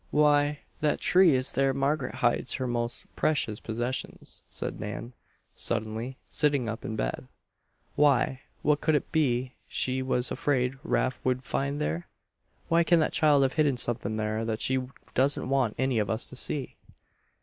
"Why, that tree is where Margaret hides her most precious possessions," said Nan, suddenly, sitting up in bed. "Why, what could it be she was afraid Rafe would find there? Why can that child have hidden something there that she doesn't want any of us to see?"